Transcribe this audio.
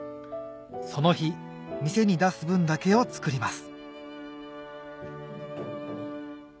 その日店に出す分だけを作ります